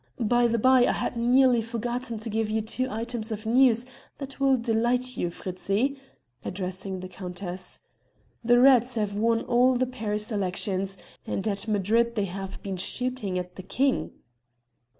By the bye, I had nearly forgotten to give you two items of news that will delight you Fritzi," addressing the countess. "The reds have won all the Paris elections, and at Madrid they have been shooting at the king."